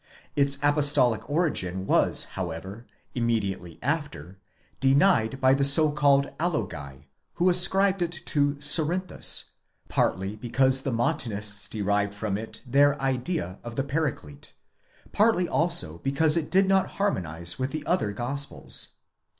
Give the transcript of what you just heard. Its Apostolic origin was however (immediately after) denied by the so called Alogi, who ascribed it to Cerinthus; partly because the Montanists derived from it their idea of the Paraclete ; partly also because it did not harmonize with the other Gospels.!